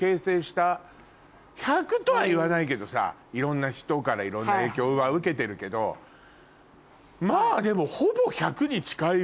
１００とは言わないけどさいろんな人からいろんな影響は受けてるけどまぁでも。